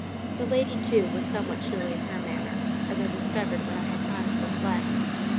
The lady, too, was somewhat chilly in her manner, as I discovered when I had time to reflect.